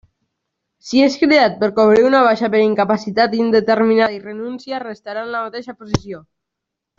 Si és cridat per cobrir una baixa per incapacitat indeterminada i renuncia restarà en la mateixa posició.